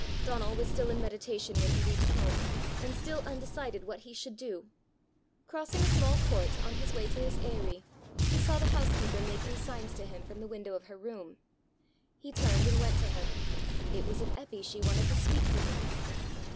Donal was still in meditation when he reached home, and still undecided what he should do. Crossing a small court on his way to his aerie, he saw the housekeeper making signs to him from the window of her room. He turned and went to her. It was of Eppy she wanted to speak to him!